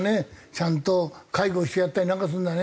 ちゃんと介護してやったりなんかするんだね。